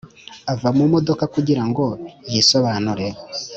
ava mu modoka kugira ngo yisobanure